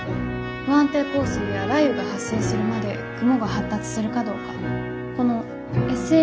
不安定降水や雷雨が発生するまで雲が発達するかどうかこのＳＳＩを求めて。